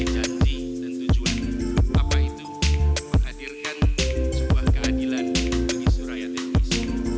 keadilan bagi suraya tenggisi